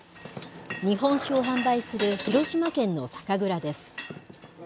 日本酒を販売する広島県の酒蔵です。